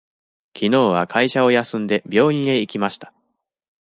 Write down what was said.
きのうは会社を休んで、病院へ行きました。